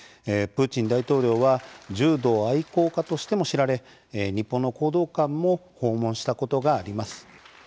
プーチン大統領は柔道愛好家としても知られ日本の講道館も訪問したことがあります。